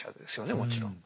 もちろん。